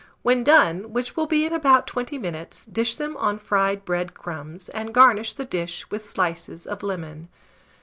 When done, which will be in about 20 minutes, dish them on fried bread crumbs, and garnish the dish with slices of lemon.